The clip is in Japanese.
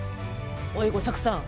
おい吾作さん。